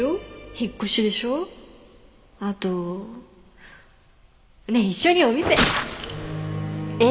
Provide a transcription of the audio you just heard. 引っ越しでしょあと。ねえ一緒にお店。